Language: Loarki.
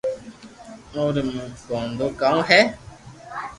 اي رو مون گونو ڪاو ھي